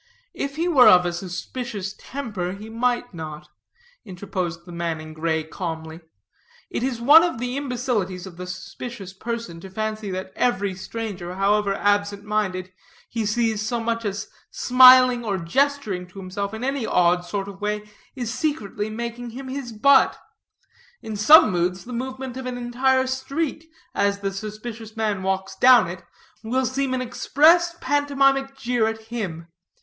"If he were of a suspicious temper, he might not," interposed the man in gray calmly, "it is one of the imbecilities of the suspicious person to fancy that every stranger, however absent minded, he sees so much as smiling or gesturing to himself in any odd sort of way, is secretly making him his butt. In some moods, the movements of an entire street, as the suspicious man walks down it, will seem an express pantomimic jeer at him.